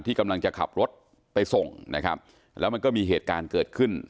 กำลังจะขับรถไปส่งนะครับแล้วมันก็มีเหตุการณ์เกิดขึ้น